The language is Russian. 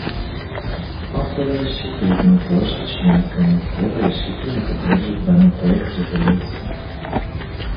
Авторы рассчитывают на то, что члены Комитета решительно поддержат данный проект резолюции.